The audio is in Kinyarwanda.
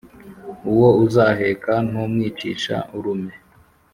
Uwo uzaheka ntumwicisha urume.